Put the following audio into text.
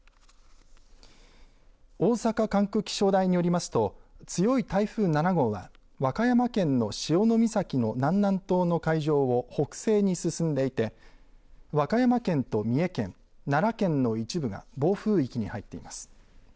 大阪管区気象台によりますと強い台風７号は和歌山県の潮岬の南南東の海上を北西に進んでいて和歌山県と三重県、奈良県の一部が暴風域に入っています。